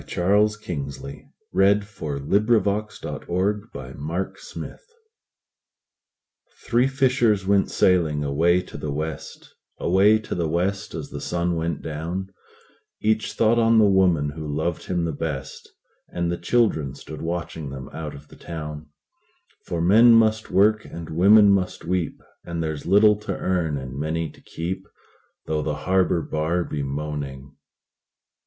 Charles Kingsley The Three Fishers THREE fishers went sailing away to the West, Away to the West as the sun went down; Each thought on the woman who loved him the best; And the children stood watching them out of the town; For men must work, and women must weep, And there's little to earn, and many to keep, Though the harbor bar be moaning.